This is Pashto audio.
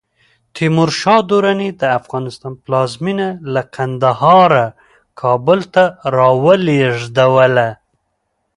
تیمور شاه دراني د افغانستان پلازمېنه له کندهاره کابل ته راولېږدوله.